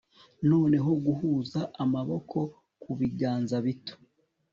Noneho guhuza amaboko kubiganza bito